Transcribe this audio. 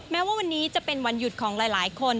แม้ว่าวันนี้จะเป็นวันหยุดของหลายคน